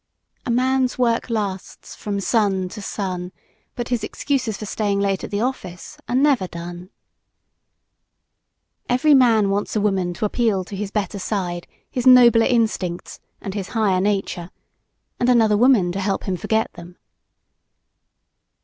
A man's work lasts from sun to sun, but his excuses for staying late at the office are never done. Every man wants a woman to appeal to his better side, his nobler instincts and his higher nature and another woman to help him forget them.